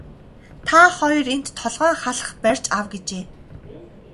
Та хоёр энд толгойн халх барьж ав гэжээ.